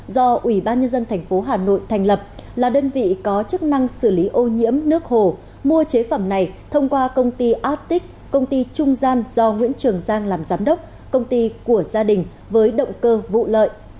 do ủy ban nhân dân thành phố hà nội thành lập là đơn vị có chức năng xử lý ô nhiễm nước hồ mua chế phẩm này thông qua công ty atic công ty trung gian do nguyễn trường giang làm giám đốc công ty của gia đình với động cơ vụ lợi